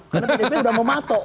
karena pdp sudah mematok